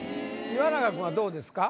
岩永君はどうですか？